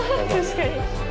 確かに。